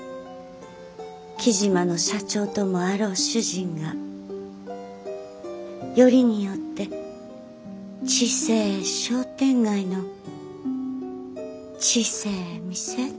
雉真の社長ともあろう主人がよりによって小せえ商店街の小せえ店で。